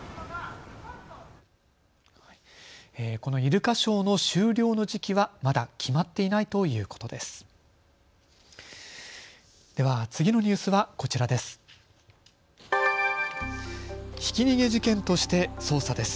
このイルカショーの終了の時期はまだ決まっていないということです。